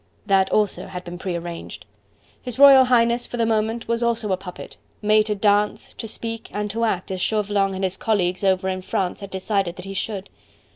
That also had been prearranged. His Royal Highness for the moment was also a puppet, made to dance, to speak and to act as Chauvelin and his colleagues over in France had decided that he should.